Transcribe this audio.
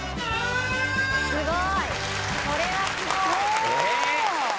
すごいこれはすごいええ